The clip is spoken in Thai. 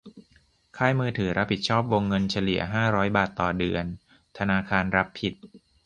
ค่ายมือถือรับผิดชอบวงเงินเฉลี่ยห้าร้อยบาทต่อเดือน ธนาคารรับผิด